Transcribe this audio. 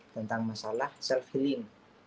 tentang masalah self healing